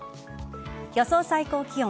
予想最高気温。